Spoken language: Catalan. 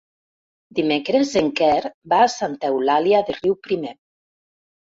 Dimecres en Quer va a Santa Eulàlia de Riuprimer.